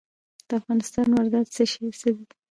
د افغانستان واردات څه دي؟